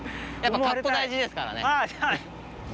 やっぱカッコ大事ですからね。